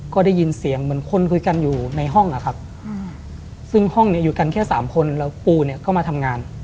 ก็ได้ยินเสียงเหมือนคนคุยกันอยู่ในห้องซึ่งห้องอยู่กันแค่๓คนแล้วปูก็มาทำงาน